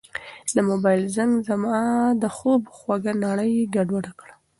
د موبایل زنګ زما د خوب خوږه نړۍ ګډوډه کړه.